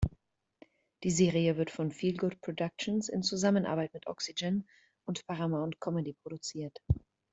Die Serie wird von Feelgood Productions in Zusammenarbeit mit Oxygen und Paramount Comedy produziert.